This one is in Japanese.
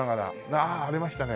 ああありましたね。